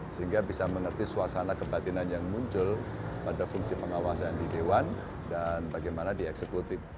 sehingga bisa mengerti suasana kebatinan yang muncul pada fungsi pengawasan di dewan dan bagaimana di eksekutif